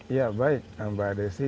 ya baik mbak adesi